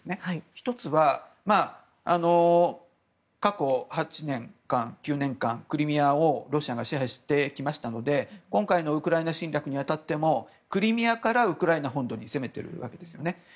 １つは、過去８年間、９年間クリミアをロシアが支配してきましたので今回のウクライナ侵略に当たってもクリミアからウクライナ本土に攻めているわけです。